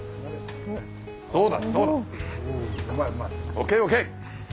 ＯＫＯＫ！